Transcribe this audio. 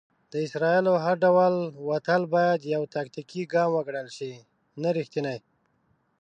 د اسرائیلو هر ډول وتل بايد يو "تاکتيکي ګام وګڼل شي، نه ريښتينی".